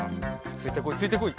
ついてこいついてこい。